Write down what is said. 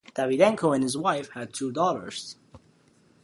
Davydenko and his wife had two daughters.